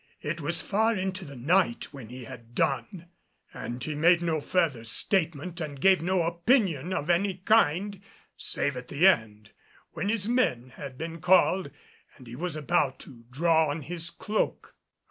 It was far into the night when he had done, and he made no further statement and gave no opinion of any kind save at the end, when his men had been called and he was about to draw on his cloak.